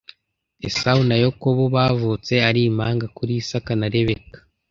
Esawu na Yakobo bavutse ari impanga kuri Isaka na Rebeka